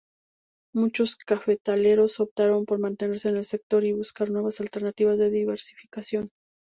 Muchos cafetaleros optaron por mantenerse en el sector y buscar nuevas alternativas de diversificación.